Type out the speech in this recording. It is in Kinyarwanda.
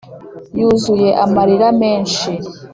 yuzuye amarira menshi